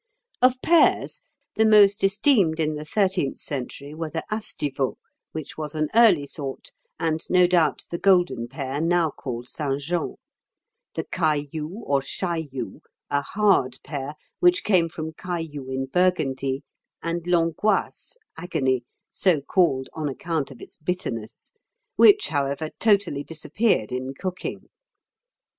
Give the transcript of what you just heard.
Of pears, the most esteemed in the thirteenth century were the hastiveau, which was an early sort, and no doubt the golden pear now called St. Jean, the caillou or chaillou, a hard pear, which came from Cailloux in Burgundy and l'angoisse (agony), so called on account of its bitterness which, however, totally disappeared in cooking.